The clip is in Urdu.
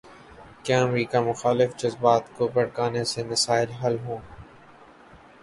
کیا امریکہ مخالف جذبات کو بھڑکانے سے مسائل حل ہوں۔